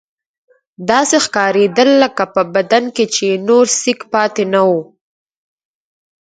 داسې ښکارېدل لکه په بدن کې چې یې نور سېک پاتې نه وي.